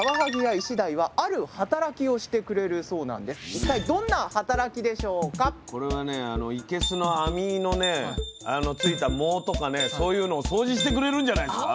突然ですがこれはねいけすの網のねついた藻とかねそういうのを掃除してくれるんじゃないですか？